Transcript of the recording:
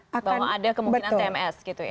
bahwa ada kemungkinan tms gitu ya